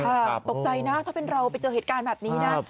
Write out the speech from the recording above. ตกใจนะถ้าเป็นเราไปเจอเหตุการณ์แบบนี้นะ